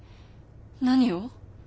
何を？